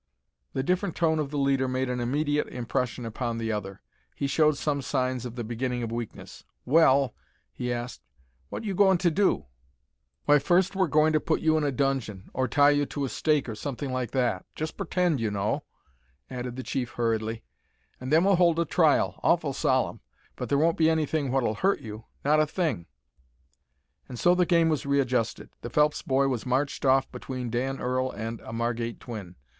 The different tone of the leader made an immediate impression upon the other. He showed some signs of the beginning of weakness. "Well," he asked, "what you goin' to do?" "Why, first we're goin' to put you in a dungeon, or tie you to a stake, or something like that just pertend, you know," added the chief, hurriedly, "an' then we'll hold a trial, awful solemn, but there won't be anything what'll hurt you. Not a thing." [Illustration: "FROM THIS BOOT HE EMPTIED ABOUT A QUART OF SNOW"] And so the game was readjusted. The Phelps boy was marched off between Dan Earl and a Margate twin.